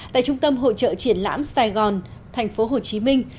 tại trung tâm hội trợ triển lãm sài gòn thành phố hồ chí minh